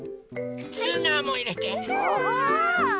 ツナもいれて。